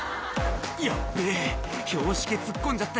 「ヤッベェ標識へ突っ込んじゃったよ」